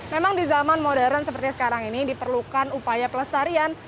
memang di zaman modern seperti sekarang ini diperlukan upaya pelestarian